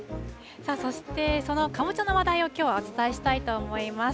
さあ、そして、そのカボチャの話題を、きょうはお伝えしたいと思います。